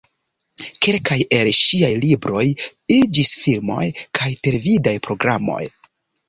Kelkaj el ŝiaj libroj iĝis filmoj kaj televidaj programoj.